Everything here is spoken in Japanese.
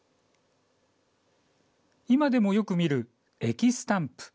今でもよく見る駅スタンプ。